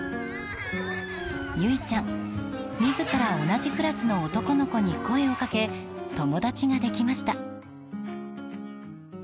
結以ちゃん、自ら同じクラスの男の子に声をかけ友達ができました。